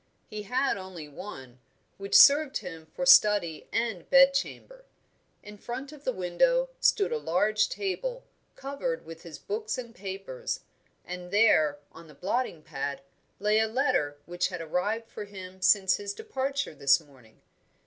He had only one, which served him for study and bedchamber. In front of the window stood a large table, covered with his books and papers, and there, on the blotting pad, lay a letter which had arrived for him since his departure this morning.